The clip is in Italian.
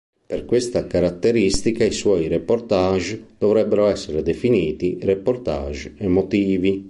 Per questa caratteristica i suoi reportage potrebbero essere definiti "reportage emotivi".